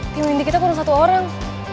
tim indi kita kurang satu orang